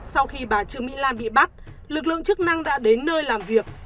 sau khi bà trương mỹ lan bị bắt lực lượng chức năng đã đến nơi làm việc